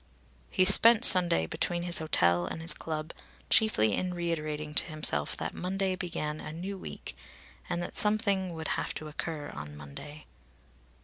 He spent Sunday between his hotel and his club, chiefly in reiterating to himself that Monday began a new week and that something would have to occur on Monday.